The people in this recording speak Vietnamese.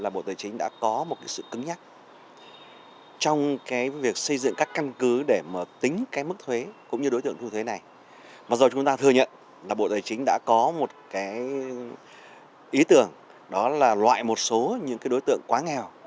bộ tài chính đã có một ý tưởng đó là loại một số những đối tượng quá nghèo